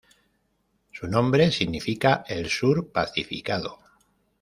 Su nombre significa "el Sur pacificado".